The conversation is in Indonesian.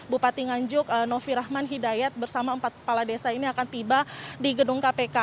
bupati nganjuk novi rahman hidayat bersama empat kepala desa ini akan tiba di gedung kpk